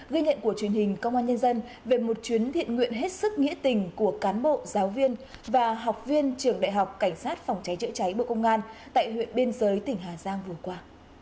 ghi nhận của truyền hình công an nhân dân về một chuyến thiện nguyện hết sức nghĩa tình của cán bộ giáo viên và học viên trường đại học cảnh sát phòng cháy chữa cháy bộ công an tại huyện biên giới tỉnh hà giang vừa qua